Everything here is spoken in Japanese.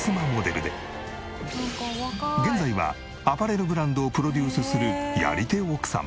現在はアパレルブランドをプロデュースするやり手奥様。